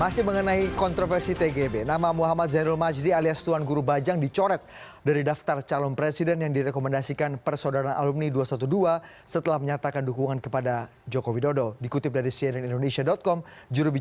suatu saat mempunyai elektrikan tinggi ya kita mengajak kita mengajak agar demokrat bisa melepaskan diri